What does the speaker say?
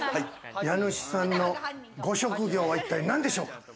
家主さんのご職業は一体何でしょうか？